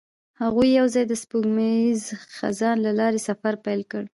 هغوی یوځای د سپوږمیز خزان له لارې سفر پیل کړ.